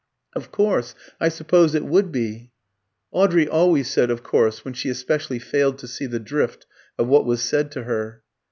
"Of course, I suppose it would be." Audrey always said "Of course" when she especially failed to see the drift of what was said to her.